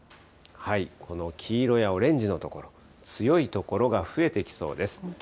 この黄色やオレンジの所、強い所が増えてきそうです。